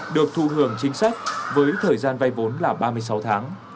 được thụ hưởng chính sách với thời gian vay vốn là ba mươi sáu tháng